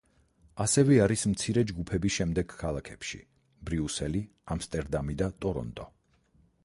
ასევე არის მცირე ჯგუფები შემდეგ ქალაქებში: ბრიუსელი, ამსტერდამი და ტორონტო.